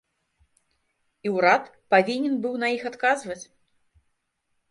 І ўрад павінен быў на іх адказваць.